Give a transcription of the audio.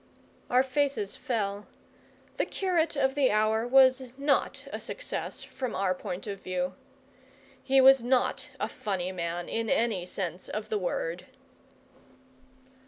Our faces fell. The curate of the hour was not a success, from our point of view. He was not a funny man, in any sense of the word.